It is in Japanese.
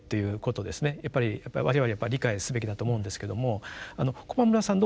やっぱり我々やっぱ理解すべきだと思うんですけどもあの駒村さん